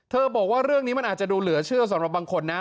บอกว่าเรื่องนี้มันอาจจะดูเหลือเชื่อสำหรับบางคนนะ